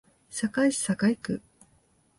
堺市堺区